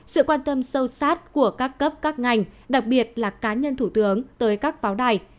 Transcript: sự quan tâm sâu sát của các cấp các ngành đặc biệt là cá nhân thủ tướng tới các pháo đài